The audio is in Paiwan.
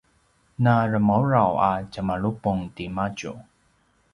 na dremaudraw a tjemalupung timadju